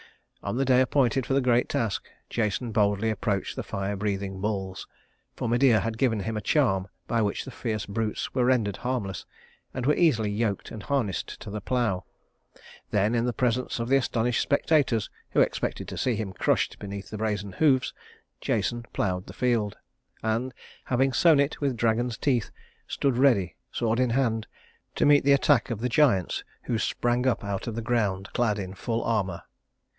On the day appointed for the great task, Jason boldly approached the fire breathing bulls, for Medea had given him a charm by which the fierce brutes were rendered harmless, and were easily yoked and harnessed to the plow. Then, in the presence of the astonished spectators, who expected to see him crushed beneath the brazen hoofs, Jason plowed the field; and having sown it with dragon's teeth, stood ready, sword in hand, to meet the attack of the giants who sprang up out of the ground clad in full armor.